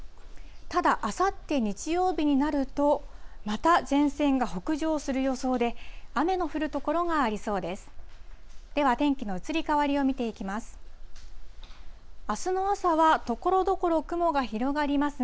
ただ、あさって日曜日になると、また前線が北上する予想で、雨の降る所がありそうです。